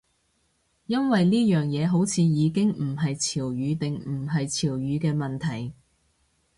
因為呢樣嘢好似已經唔係潮語定唔係潮語嘅問題